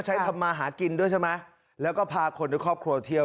ทำมาหากินด้วยใช่ไหมแล้วก็พาคนในครอบครัวเที่ยว